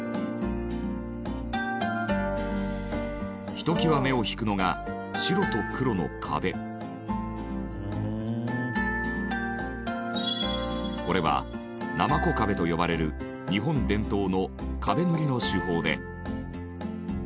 ひときわ目を引くのがこれはなまこ壁と呼ばれる日本伝統の壁塗りの手法で。